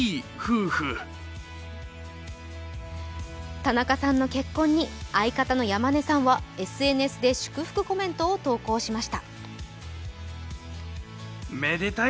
田中さんの結婚に相方の山根さんはＳＮＳで祝福コメントを投稿しました。